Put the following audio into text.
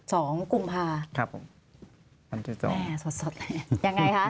สองกุมภาคุณครับผมวันที่สองครับแม่สดแม่ยังไงคะ